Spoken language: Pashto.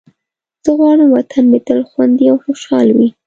زه غواړم وطن مې تل خوندي او خوشحال وي.